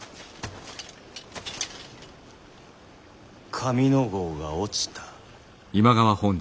上ノ郷が落ちた。